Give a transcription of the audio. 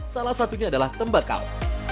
salah satunya adalah tembakau